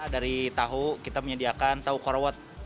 dari tahu kita menyediakan tahu korowet